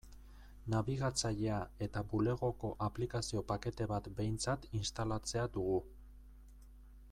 Nabigatzailea eta Bulegoko aplikazio-pakete bat behintzat instalatzea dugu.